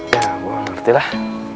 ya gue ngerti lah